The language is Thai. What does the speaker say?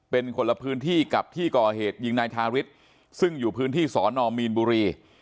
เป็นคนละพื้นที่กับที่ก่อเหตุยิงนายทาริสซึ่งอยู่พื้นที่สอนอมีนบุรี